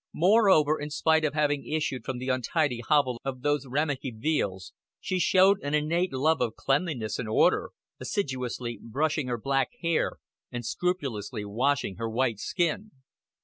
Moreover, in spite of having issued from the untidy hovel of those rammucky Veales, she showed an innate love of cleanliness and order, assiduously brushing her black hair and scrupulously washing her white skin.